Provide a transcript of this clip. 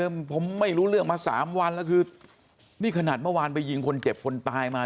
ผมไม่รู้เรื่องมาสามวันแล้วคือนี่ขนาดเมื่อวานไปยิงคนเจ็บคนตายมา